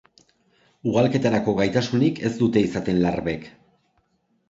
Ugalketarako gaitasunik ez dute izaten larbek.